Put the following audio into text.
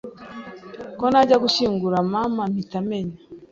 ko najya gushyingura mama mpita menya